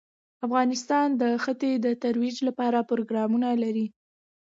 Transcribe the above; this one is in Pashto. افغانستان د ښتې د ترویج لپاره پروګرامونه لري.